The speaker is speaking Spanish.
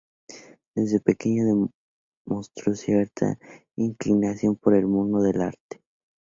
Desde pequeño mostró cierta inclinación por el mundo del arte.